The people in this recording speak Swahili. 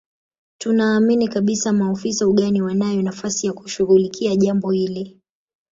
Tunaamini kabisa maofisa ugani wanayo nafasi ya kushughulikia jambo hili